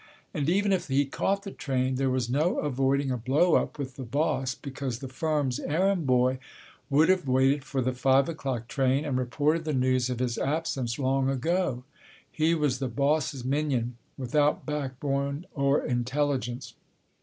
And even if he caught the train, there was no avoiding a blow up with the boss, because the firm's errand boy would've waited for the five o'clock train and reported the news of his absence long ago. He was the boss's minion, without backbone or intelligence.